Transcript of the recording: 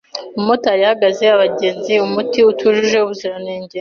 Umumotari yahaga abagenzi umuti utujuje ubuziranenge